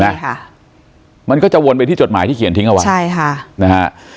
ไหมมันก็จะวนในจดหมายที่เขียนทิ้งออกว่าใช่นะฮะ